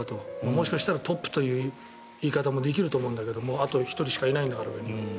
もしかしたらトップという言い方もできるかもしれないんだけどあと、１人しかいないんだから上に。